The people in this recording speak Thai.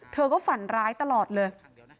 เธอก็ฝันร้ายตลอดเลย